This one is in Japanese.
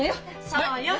そうよ。